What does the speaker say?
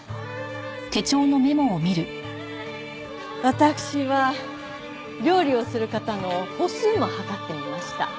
私は料理をする方の歩数も計ってみました。